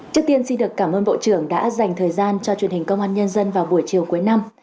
trước tiên xin được cảm ơn bộ trưởng đã dành thời gian cho truyền hình công an nhân dân vào buổi chiều cuối năm